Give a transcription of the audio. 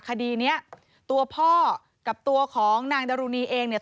คดีเนี้ยตัวพ่อกับตัวของนางดรุณีเองเนี่ย